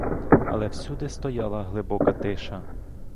Але всюди стояла глибока тиша.